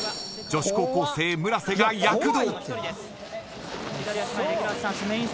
女子高校生村瀬が躍動。